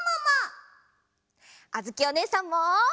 あづきおねえさんも！